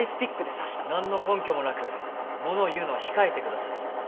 何の根拠もなく物を言うのは控えてください。